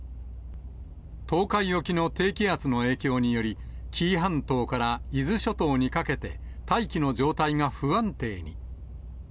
東海沖の低気圧の影響により、紀伊半島から伊豆諸島にかけて、大気の状態が不安定に。